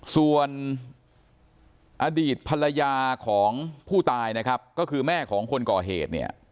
ส่วนอดีตภรรยาของผู้ตายนะครับก็คือแม่ของคนก่อเหตุเนี่ย